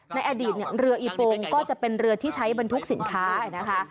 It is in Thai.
ในอดีตเนี่ยเรืออีโปงก็จะเป็นเรือที่ใช้บรรทุกสินค้านะคะ